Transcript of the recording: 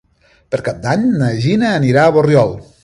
Per Cap d'Any na Gina anirà a Borriol.